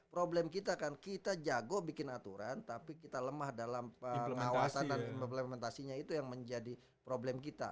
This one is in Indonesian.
problem kita kan kita jago bikin aturan tapi kita lemah dalam pengawasan dan implementasinya itu yang menjadi problem kita